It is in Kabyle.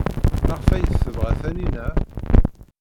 Maɣef ay t-tebɣa Taninna?